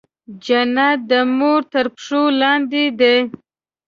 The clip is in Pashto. جنت د مور تر پښو لاندې دی.